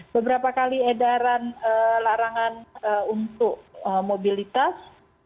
beberapa kali edaran larangan untuk mobilitas